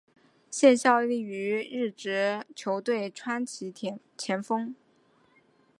现效力于日职球队川崎前锋。